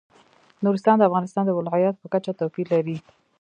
نورستان د افغانستان د ولایاتو په کچه توپیر لري.